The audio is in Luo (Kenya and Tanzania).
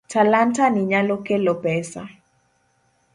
Talanta ni nyalo kelo pesa.